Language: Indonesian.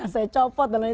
saya copot dan lain lain